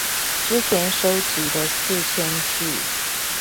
之前收集的四千句